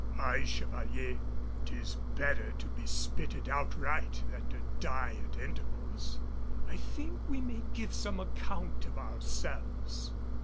"Aye, Chevalier. 'Tis better to be spitted outright than to die at intervals. I think we may give some account of ourselves."